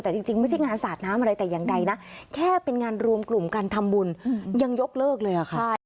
แต่จริงไม่ใช่งานสาดน้ำอะไรแต่อย่างใดนะแค่เป็นงานรวมกลุ่มการทำบุญยังยกเลิกเลยค่ะ